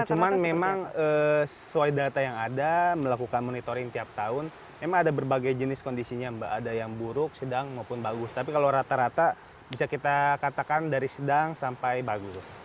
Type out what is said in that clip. cuman memang sesuai data yang ada melakukan monitoring tiap tahun memang ada berbagai jenis kondisinya mbak ada yang buruk sedang maupun bagus tapi kalau rata rata bisa kita katakan dari sedang sampai bagus